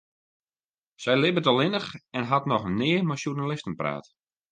Sy libbet allinnich en hat noch nea mei sjoernalisten praat.